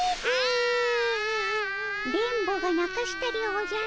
電ボがなかしたでおじゃる。